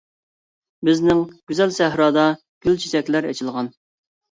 بىزنىڭ گۈزەل سەھرادا، گۈل چېچەكلەر ئېچىلغان.